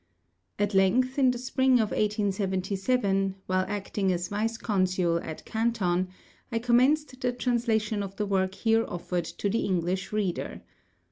At length, in the spring of 1877, while acting as Vice Consul at Canton, I commenced the translation of the work here offered to the English reader.